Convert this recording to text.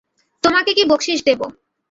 তোমাকে কী বকশিশ দেব।